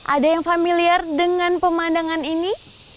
ada yang familiar dengan pemandangan ini